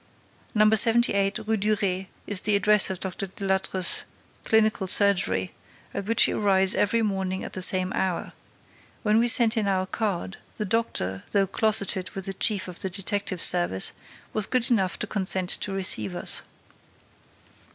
No. 78, Rue Duret, is the address of Dr. Delattre's clinical surgery, at which he arrives every morning at the same hour. When we sent in our card, the doctor, though closeted with the chief of the detective service, was good enough to consent to receive us.